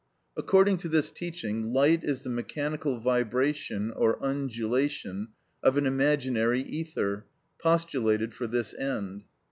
According to this teaching, light is the mechanical vibration or undulation of an imaginary ether, postulated for this end.